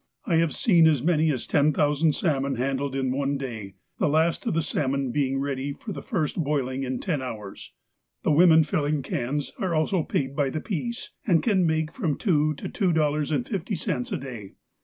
I have seen as many as ten thousand salmon handled in one day, the last of the salmon being ready for the first boiling in ten hours. The women filling cans are also paid by the piece, and can make from two to two dollars and fifty cents a day.